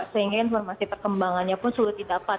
sehingga informasi perkembangannya pun sulit didapat